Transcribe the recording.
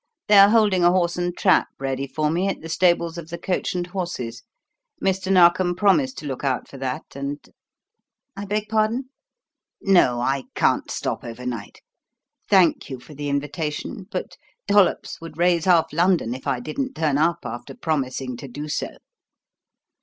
They are holding a horse and trap ready for me at the stables of the 'Coach and Horses.' Mr. Narkom promised to look out for that, and I beg pardon? No, I can't stop over night. Thank you for the invitation, but Dollops would raise half London if I didn't turn up after promising to do so."